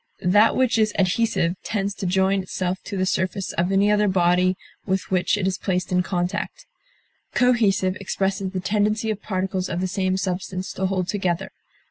That which is adhesive tends to join itself to the surface of any other body with which it is placed in contact; cohesive expresses the tendency of particles of the same substance to hold together.